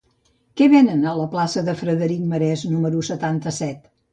Què venen a la plaça de Frederic Marès número setanta-set?